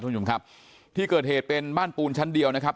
คุณผู้ชมครับที่เกิดเหตุเป็นบ้านปูนชั้นเดียวนะครับ